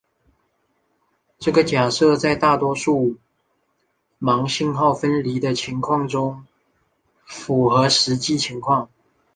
这个假设在大多数盲信号分离的情况中符合实际情况。